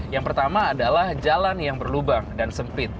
yang pertama adalah jalan yang berlubang dan sempit